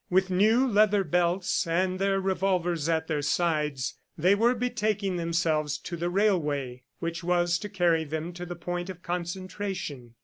With new leather belts and their revolvers at their sides, they were betaking themselves to the railway which was to carry them to the point of concentration.